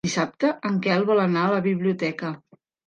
Dissabte en Quel vol anar a la biblioteca.